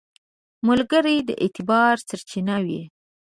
ملګری د اعتبار سرچینه وي